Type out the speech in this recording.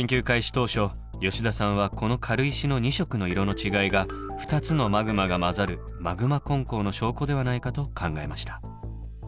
当初吉田さんはこの軽石の２色の色の違いが２つのマグマが混ざる「マグマ混交」の証拠ではないかと考えました。